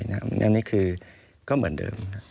อย่างนี้คือก็เหมือนเดิม